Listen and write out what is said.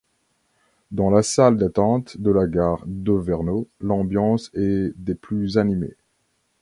Dans la salle d'attente de la gare d'Auvernaux, l'ambiance est des plus animées.